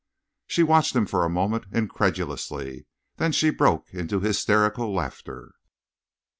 She watched him for a moment incredulously; then she broke into hysterical laughter.